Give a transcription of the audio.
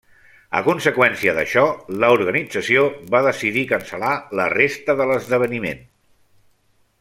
A conseqüència d'això, l'organització va decidir cancel·lar la resta de l'esdeveniment.